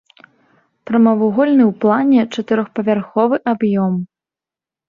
Прамавугольны ў плане чатырохпавярховы аб'ём.